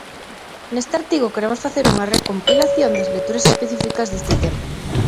Neste artigo queremos facer unha recompilación das lecturas específicas deste tempo.